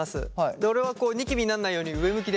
で俺はこうニキビになんないように上向きでやったりしますね。